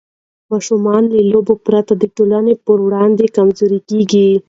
ماشومان له لوبو پرته د ټولنې په وړاندې کمزوري کېږي.